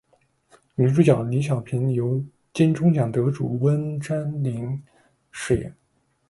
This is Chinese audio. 女主角李晓萍由金钟奖得主温贞菱饰演。